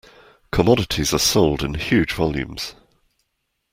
Commodities are sold in huge volumes.